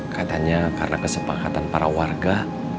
katanya karena kesepakatan para warga